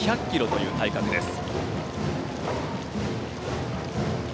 １７４ｃｍ、１００ｋｇという体格です。